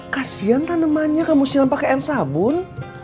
kasian tanemannya kamu silam pakai air sabun